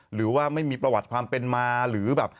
หรือว่าไม่มีประวัติความเป็นมาหรือแบบ